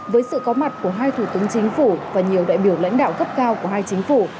với sự có mặt của hai thủ tướng chính phủ và nhiều đại biểu lãnh đạo cấp cao của hai chính phủ